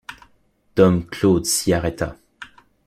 Dom Claude s’y arrêta.